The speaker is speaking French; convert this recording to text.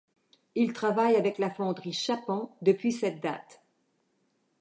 Il travaille avec la fonderie Chapon depuis cette date.